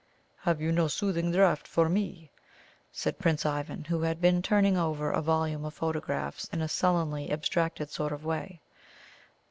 "Have you no soothing draught for me?" said Prince Ivan, who had been turning over a volume of photographs in a sullenly abstracted sort of way.